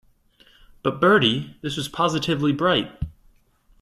But, Bertie, this is positively bright.